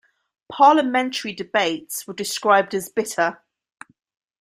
Parliamentary debates were described as 'bitter'.